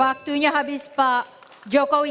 waktunya habis pak jokowi